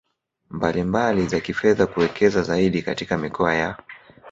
mbalimbali za kifedha kuwekeza zaidi katika mikoa ya